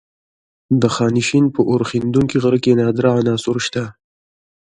د خانشین په اورښیندونکي غره کې نادره عناصر شته.